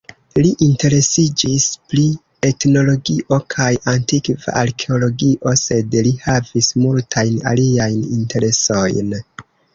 Li interesiĝis pri etnologio kaj antikva arkeologio, sed li havis multajn aliajn interesojn.